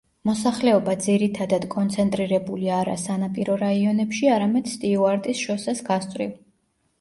მოსახლეობა ძირითადად კონცენტრირებულია არა სანაპირო რაიონებში, არამედ სტიუარტის შოსეს გასწვრივ.